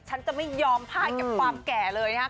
ฉันจะไม่ยอมพลาดกับความแก่เลย